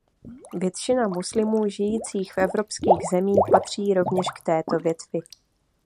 Většina muslimů žijících v evropských zemích patří rovněž k této větvi.